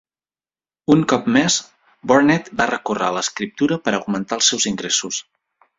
Un cop més, Burnett va recórrer a l'escriptura per augmentar els seus ingressos.